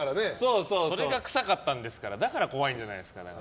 それが臭かったんですからだから怖いんじゃないですか？